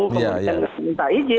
kemudian minta izin